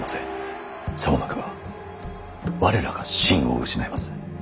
さもなくば我らが信を失います。